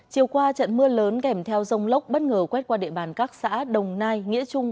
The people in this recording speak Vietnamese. chiều qua trận mưa lớn kèm theo dông lốc bất ngờ quét qua địa bàn các xã đồng nai nghĩa trung